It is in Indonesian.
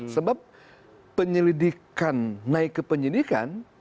sebab penyelidikan naik ke penyidikan